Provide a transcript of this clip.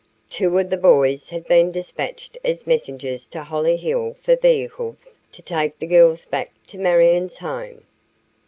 Two of the boys had been dispatched as messengers to Hollyhill for vehicles to take the girls back to Marion's home.